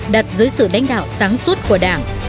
đặt dưới sự đánh đạo sáng suốt của đảng